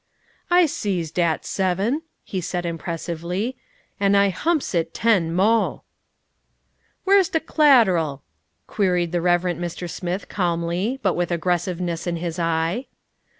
"I sees dat seven," he said impressively, "an' I humps it ten mo'." "Whar's de c'lateral?" queried the Reverend Mr. Smith calmly, but with aggressiveness in his eye.